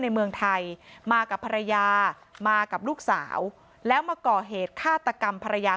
ในเมืองไทยมากับภรรยามากับลูกสาวแล้วมาก่อเหตุฆาตกรรมภรรยา